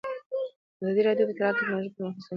ازادي راډیو د اطلاعاتی تکنالوژي پرمختګ سنجولی.